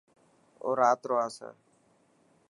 او رات رو آسي.